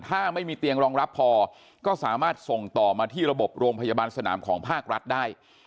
ถ้าไม่มีเตียงรองรับพอก็สามารถส่งต่อมาที่ระบบโรงพยาบาลสนามของภาครัฐได้